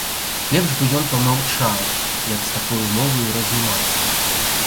Лепш бы ён памаўчаў, як з такою моваю разнімацца.